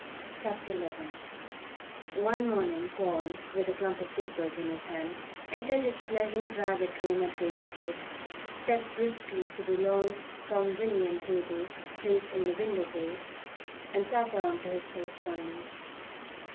CHAPTER XI ONE morning Paul, with a clump of papers in his hand, entered his pleasant private room at Drane's Court, stepped briskly to the long Cromwellian table placed in the window bay, and sat down to his correspondence.